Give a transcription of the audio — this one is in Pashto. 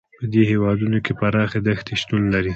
په دې هېوادونو کې پراخې دښتې شتون لري.